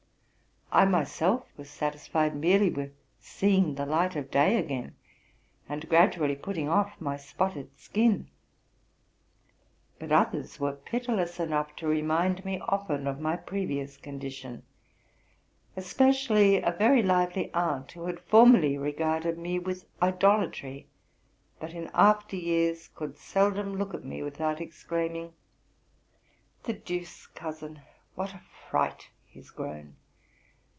I myself was satisfied merely with seeing the hight of day again, and gradually putting off my spotted skin; but others were pitiless enough to remind me often of my previous condition, especially a very lively aunt, who had formerly regarded me with idolatry, but in after years could seldom look at me without exclaim ing '* The deuce, cousin, what a fright he's grown!